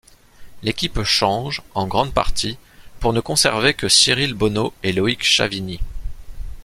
L'équipe change, en grande partie, pour ne conserver que Cyrille Bonneau et Loïc Chavigny.